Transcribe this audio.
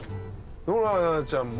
ノラちゃんも？